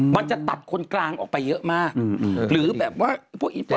มันจะตัดคนกลางออกไปเยอะมากหรือแบบว่าพวกอินฟอร์แมนชัพทั้งหลาย